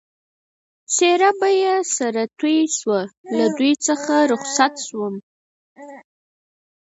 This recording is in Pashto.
څېره به یې سره توی شوه، له دوی څخه رخصت شوم.